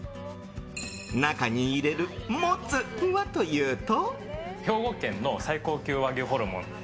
中に入れるもつはというと。